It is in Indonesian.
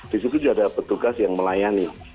di situ juga ada petugas yang melayani